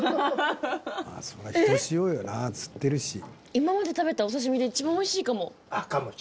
今まで食べたお刺し身で一番おいしいかも。